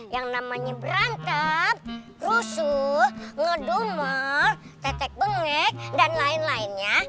yang namanya berantem rusuh ngedumel tetek bengek dan lain lainnya